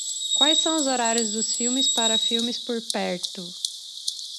Quais são os horários dos filmes para filmes por perto?